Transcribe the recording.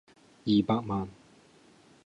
二百萬